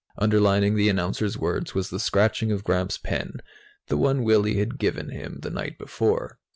Underlining the announcer's words was the scratching of Gramps' pen, the one Willy had given him the night before.